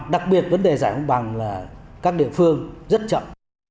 đạt bảy trên tổng hợp